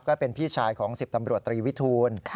ก็เป็นพี่ชายของ๑๐ตำรวจตรีวิทูล